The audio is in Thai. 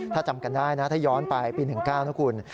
ถ้าจำกันได้นะถ้าย้อนไปปี๑๙นะคุณ